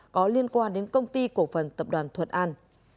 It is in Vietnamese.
có liên quan đến công ty cổ phần tập đoàn thuận an